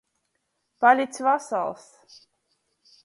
Palic vasals!